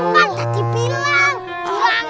kan tadi bilang